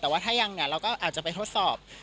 แต่ว่าถ้ายังเนี่ยเราก็อาจจะไปทดสอบ